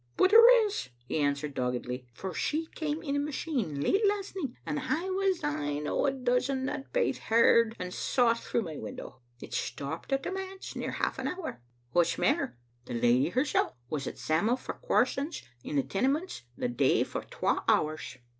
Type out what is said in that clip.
" But there is, " he answered doggedly, " for she came in a machine late last nicht, and I was ane o' a dozen that baith heard and saw it through my window. It stopped at the manse near half an hour. What's mair, the lady hersel' was at Sam'l Farquharson's in the Tenements the day for twa hours.